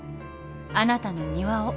あなたの庭を。